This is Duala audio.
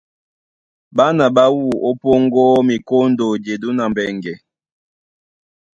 Ɓána ɓá wú ó Póŋgó, Mikóndo, Jedú na Mbɛŋgɛ.